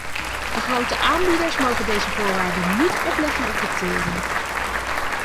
De grote aanbieders mogen deze voorwaarden niet opleggen of dicteren.